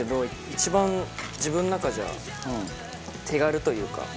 一番自分の中じゃ手軽というか。